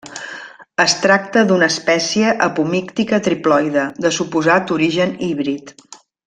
Es tracta d'una espècia apomíctica triploide, de suposat origen híbrid.